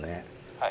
☎はい。